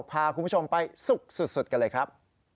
พาคุณผู้ชมไปสุกสุดกันเลยครับ